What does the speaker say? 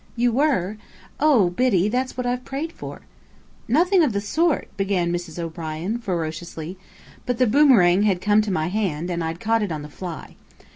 "You were! Oh, Biddy, that's what I've prayed for." "Nothing of the sort!" began Mrs. O'Brien, ferociously. But the boomerang had come to my hand, and I'd caught it on the fly.